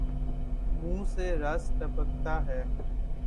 منہ سے رس ٹپکتا ہے